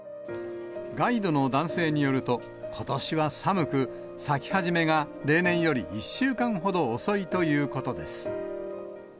ガイドの男性によると、ことしは寒く、咲き始めが例年より１週間ほど遅いということです。